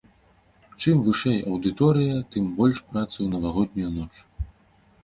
Чым вышэй аўдыторыя, тым больш працы ў навагоднюю ноч.